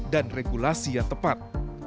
dan regulasi yang tepat